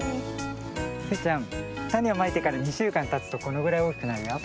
スイちゃんたねをまいてから２しゅうかんたつとこのぐらいおおきくなるよ。